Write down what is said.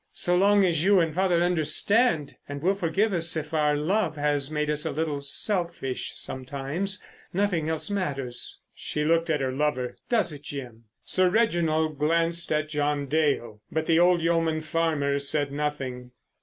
So long as you and father understand—and will forgive us if our love has made us a little selfish sometimes—nothing else matters." She looked at her lover: "Does it, Jim?" Sir Reginald glanced at John Dale. But the old yeoman farmer said nothing.